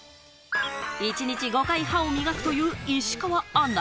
１日５回歯を磨くという石川アナ。